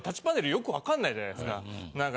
よくわかんないじゃないですか何か。